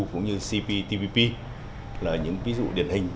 cũng như cptpp là những ví dụ điển hình